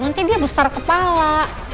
nanti dia besar kepala